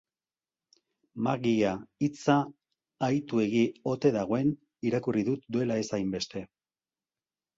Magia hitza ahituegi ote dagoen irakurri dut duela ez hainbeste.